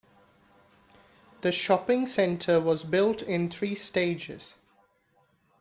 The shopping centre was built in three stages.